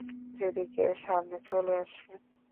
যদি কেউ সামনে চলে আসে?